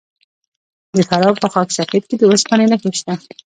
د فراه په خاک سفید کې د وسپنې نښې شته.